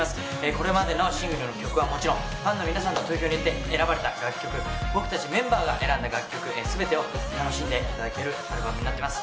これまでのシングルの曲はもちろんファンの皆さんの投票によって選ばれた楽曲僕たちメンバーが選んだ楽曲全てを楽しんでいただけるアルバムになってます。